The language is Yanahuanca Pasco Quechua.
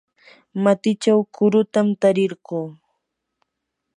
matichaw kurutam tarirquu.